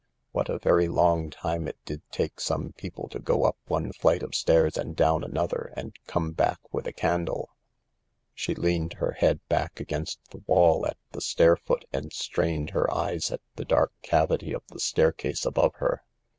What a very long time it did take some people to go up one flight of stairs and down another and come back with a candle ! She leaned her head back against the wall at the stair foot and strained her eyes at the dark cavity of the staircase above her.